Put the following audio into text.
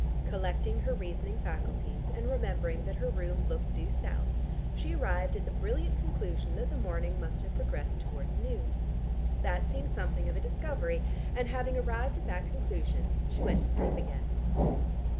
Collecting her reasoning faculties, and remembering that her room looked due south, she arrived at the brilliant conclusion that the morning must have progressed towards noon. That seemed something of a discovery, and having arrived at that conclusion she went to sleep again.